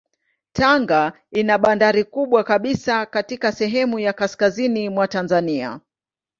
Tanga ina bandari kubwa kabisa katika sehemu ya kaskazini mwa Tanzania.